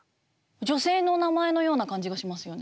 女性の名前のような感じがしますよね。